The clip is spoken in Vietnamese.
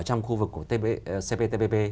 trong khu vực của cptpp